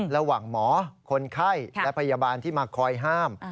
ระหว่างหมอคนไข้และพยาบาลที่มาคอยห้าม